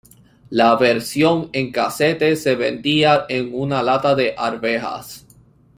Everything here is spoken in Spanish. La versión en casete se vendía en una lata de arvejas.